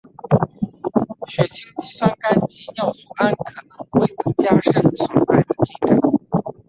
血清肌酸酐及尿素氮可能会增加肾损害的进展。